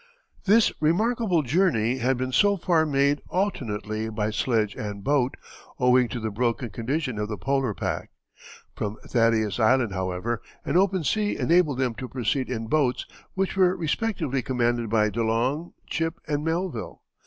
This remarkable journey had been so far made alternately by sledge and boat, owing to the broken condition of the Polar pack; from Thaddeus Island, however, an open sea enabled them to proceed in boats, which were respectively commanded by De Long, Chipp, and Melville.